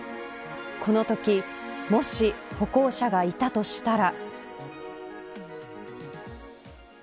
このとき、もし歩行者がいたとしたら。